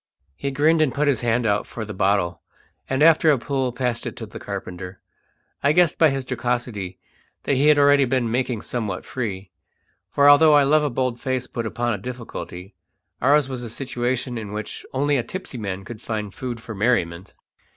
He grinned and put his hand out for the bottle, and after a pull passed it to the carpenter. I guessed by his jocosity that he had already been making somewhat free; for although I love a bold face put upon a difficulty, ours was a situation in which only a tipsy man could find food for merriment.